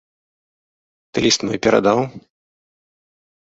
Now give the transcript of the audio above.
Ты ліст мой перадаў?